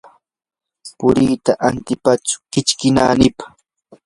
puriita atipachu kichki naanipa.